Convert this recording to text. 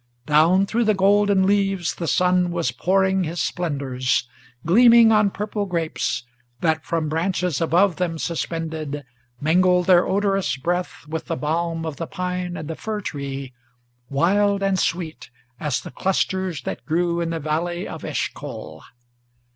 Down through the golden leaves the sun was pouring his splendors, Gleaming on purple grapes, that, from branches above them suspended, Mingled their odorous breath with the balm of the pine and the fir tree, Wild and sweet as the clusters that grew in the valley of Eshcol.